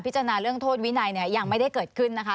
จารณาเรื่องโทษวินัยเนี่ยยังไม่ได้เกิดขึ้นนะคะ